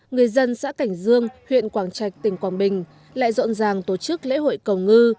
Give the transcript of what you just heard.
người dân xã cảnh dương huyện quảng trạch tỉnh quảng bình lại rộn ràng tổ chức lễ hội cầu ngư